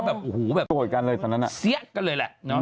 แบบว่าโอ้โหแบบเสียกันเลยล่ะ